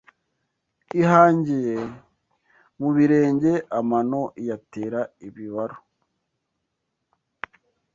Ihangiye mu birenge amano iyatera ibibaru